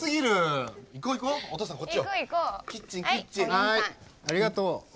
はいありがとう。